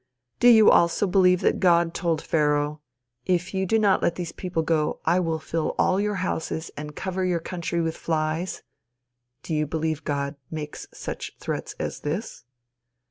Do you also believe that God told Pharaoh, "If you do not let these people go, I will fill all your houses and cover your country with flies?" Do you believe God makes such threats as this?